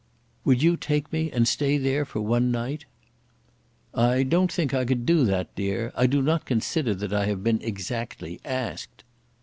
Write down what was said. "Would you take me, and stay there, for one night?" "I don't think I could do that, dear. I do not consider that I have been exactly asked."